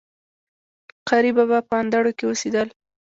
قاري بابا په اندړو کي اوسيدل